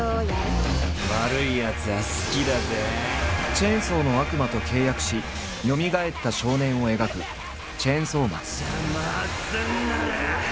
チェンソーの悪魔と契約しよみがえった少年を描く「チェンソーマン」。